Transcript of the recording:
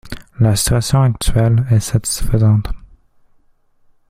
La situation actuelle est satisfaisante.